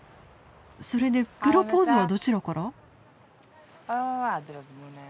それでプロポーズはどちらから？